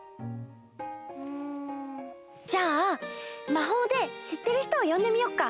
うんじゃあまほうでしってる人をよんでみよっか！